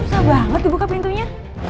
susah banget dibuka pintunya